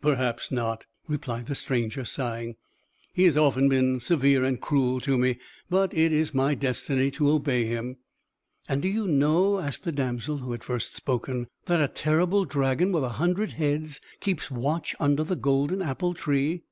"Perhaps not," replied the stranger, sighing. "He has often been severe and cruel to me. But it is my destiny to obey him." "And do you know," asked the damsel who had first spoken, "that a terrible dragon, with a hundred heads, keeps watch under the golden apple tree?"